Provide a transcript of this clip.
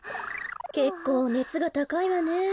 けっこうねつがたかいわね。